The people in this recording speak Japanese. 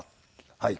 「はい。